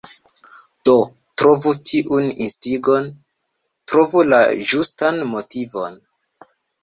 Do, trovu tiun instigon, Trovu la ĝustan motivon.